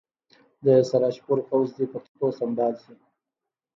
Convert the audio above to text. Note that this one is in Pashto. د سراج پور پوځ دې په قطعو سمبال شي.